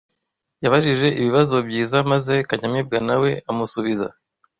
Yabajije ibibazo byiza maze Kanyamibwa na we amusubiza